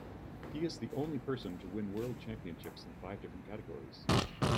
He is the only person to win world championships in five different categories.